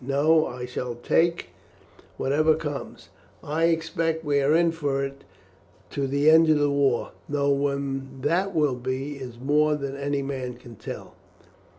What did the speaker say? No; I shall take whatever comes. I expect we are in for it to the end of the war, though when that will be is more than any man can tell."